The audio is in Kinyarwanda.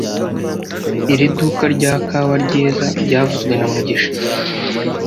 Iri duka rya kawa ryiza byavuzwe na mugisha